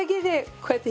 こうやって。